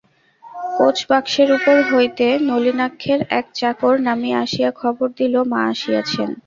কোচবাক্সের উপর হইতে নলিনাক্ষের এক চাকর নামিয়া আসিয়া খবর দিল, মা আসিয়াছেন।